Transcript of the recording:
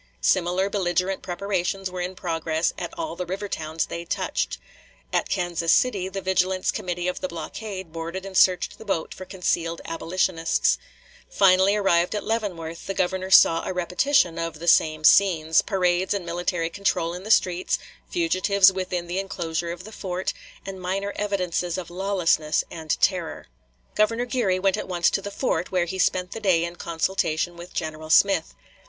Similar belligerent preparations were in progress at all the river towns they touched. At Kansas City the vigilance committee of the blockade boarded and searched the boat for concealed "abolitionists." Finally arrived at Leavenworth, the Governor saw a repetition of the same scenes parades and military control in the streets, fugitives within the inclosure of the fort, and minor evidences of lawlessness and terror. Geary to Marcy, Sept. 9, 1856. Senate Ex. Doc., 3d Sess. 34th Cong. Vol. II., p. 88. Governor Geary went at once to the fort, where he spent the day in consultation with General Smith.